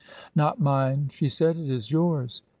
"Not mine," she said. "It is yours.